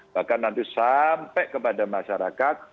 bahkan nanti sampai kepada masyarakat